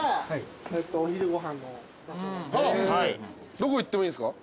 どこ行ってもいいんすか？